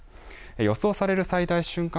予想される最大瞬間